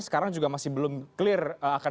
sekarang juga masih belum clear akan